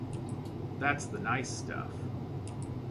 That's the nice stuff.